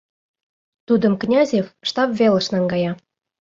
Тудым Князев штаб велыш наҥгая.